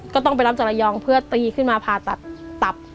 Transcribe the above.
ก็ต้องไปรับจากระยองเพื่อตีขึ้นมาผ่าตัดตับ